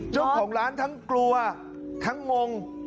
เจ้าของร้านทั้งกลัวทั้งงง